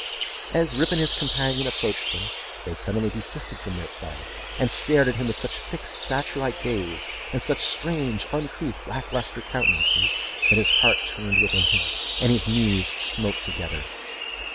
As Rip and his companion approached them, they suddenly desisted from their play, and stared at him with such fixed statue like gaze, and such strange, uncouth, lack lustre countenances, that his heart turned within him, and his knees smote together.